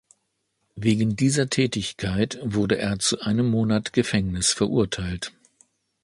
Wegen dieser Tätigkeit wurde er zu einem Monat Gefängnis verurteilt.